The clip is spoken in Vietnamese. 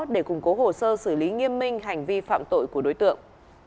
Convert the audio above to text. để củng cố hồ sơ xử lý nghiêm minh hành vi phạm tội của đối tượng